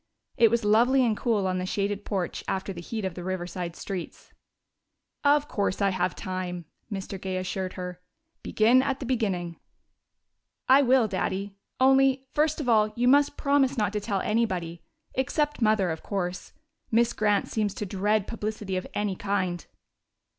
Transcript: It was lovely and cool on the shaded porch after the heat of the Riverside streets. "Of course I have time," Mr. Gay assured her. "Begin at the beginning." "I will, Daddy. Only, first of all, you must promise not to tell anybody except Mother, of course. Miss Grant seems to dread publicity of any kind."